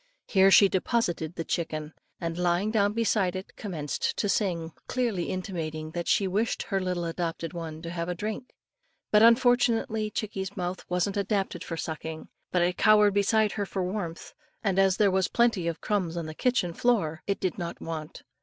Here she deposited the chicken, and, lying down beside it, commenced to sing, clearly intimating that she wished her little adopted one to have a drink. But unfortunately, chickie's mouth wasn't adapted for sucking, but it cowered beside her for warmth; and as there were plenty of crumbs on the kitchen floor, it did not want.